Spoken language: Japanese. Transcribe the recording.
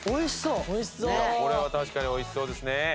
これは確かに美味しそうですね。